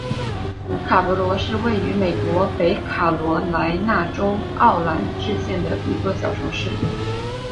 卡勃罗是位于美国北卡罗来纳州奥兰治县的一座小城市。